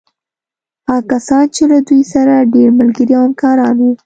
هغه کسان چې له دوی سره ډېر ملګري او همکاران وو.